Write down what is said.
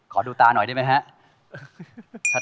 ขอดูตาหน่อยได้ไหมฮะ